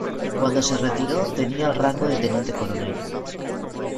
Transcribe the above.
Cuando se retiró tenía el rango de teniente coronel.